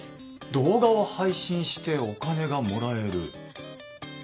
動画を配信してお金がもらえる。